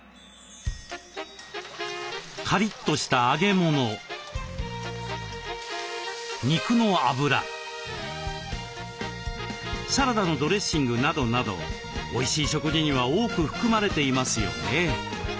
カリッとした揚げ物肉のあぶらサラダのドレッシングなどなどおいしい食事には多く含まれていますよね。